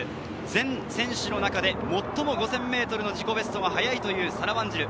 全選手の中で最も５０００ｍの自己ベストが速いというサラ・ワンジル。